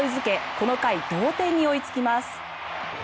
この回、同点に追いつきます。